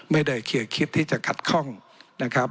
เคลียร์คิดที่จะขัดข้องนะครับ